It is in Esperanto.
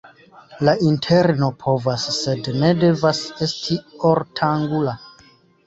La interno povas, sed ne devas esti ortangula.